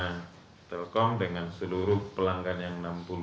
pt telkom dengan seluruh pelanggan yang enam puluh tiga